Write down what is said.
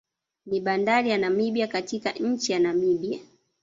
Ni bandari ya Namibia katika nchi ya Namibia